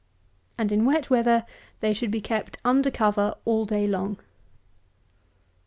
And, in wet weather, they should be kept under cover all day long.